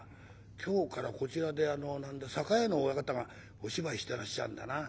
今日からこちらで栄屋の親方がお芝居してらっしゃるんだな。